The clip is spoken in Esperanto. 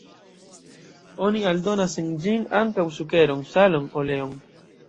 Oni aldonas en ĝin ankaŭ sukeron, salon, oleon.